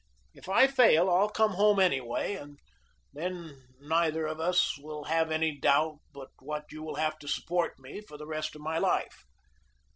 If I fail I'll come home anyway, and then neither one of us will have any doubt but what you will have to support me for the rest of my life.